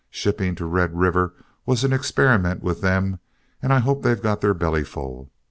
Shipping to Red River was an experiment with them, and I hope they've got their belly full.